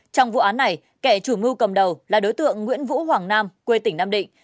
trong vụ án này kẻ chủ mưu cầm đầu là đối tượng nguyễn vũ hoàng nam quê tỉnh nam định